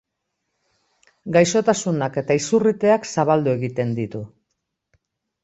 Gaixotasunak eta izurriteak zabaldu egiten ditu.